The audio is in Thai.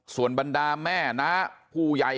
ส่วนบรรดาแม่น้าผู้ใหญ่